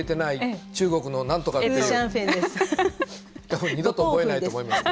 多分二度と覚えないと思います。